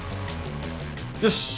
よし！